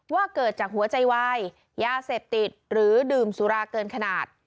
ว่าเกิดจากหัวใจวายยาเสพติดหรือดื่มสุราเกินขนาด